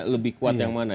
lebih kuat yang mana